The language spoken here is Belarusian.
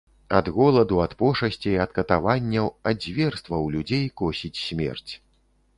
Ад голаду, ад пошасцей, ад катаванняў, ад зверстваў людзей косіць смерць.